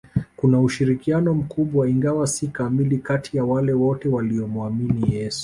Kuna ushirikiano mkubwa ingawa si kamili kati ya wale wote waliomuamini Yesu